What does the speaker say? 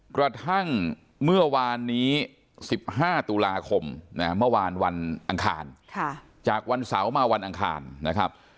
กระทั่งเมื่อวานนี้๑๕ตุลาคมเมื่อวานวันอังคารจากวันเสาร์มาวันอังคารนะครับ